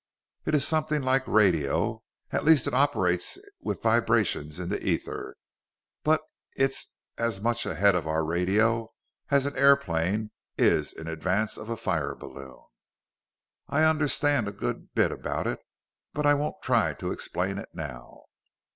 It is something like radio at least it operates with vibrations in the ether but it's as much ahead of our radio as an airplane is in advance of a fire balloon. I understand a good bit about it, but I won't try to explain it now.